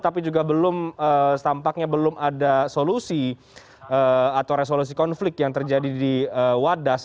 tapi juga belum tampaknya belum ada solusi atau resolusi konflik yang terjadi di wadas